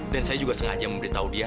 dan saya juga sengaja memberitahu dia